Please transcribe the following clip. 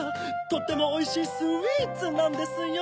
とってもおいしいスイーツなんですよ！